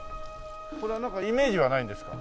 これはなんかイメージはないんですか？